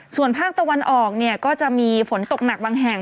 ส่วนภาคตะวันออกเนี่ยก็จะมีฝนตกหนักบางแห่ง